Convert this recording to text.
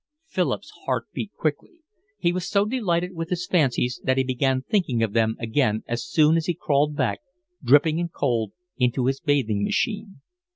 Philip's heart beat quickly. He was so delighted with his fancies that he began thinking of them again as soon as he crawled back, dripping and cold, into his bathing machine.